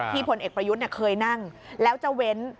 พลเอกประยุทธ์เคยนั่งแล้วจะเว้น